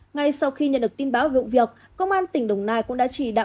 ngay sau khi nhận được tin báo vụ việc công an tỉnh đồng nai cũng đã chỉ đạo